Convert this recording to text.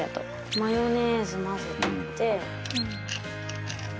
マヨネーズ混ぜて。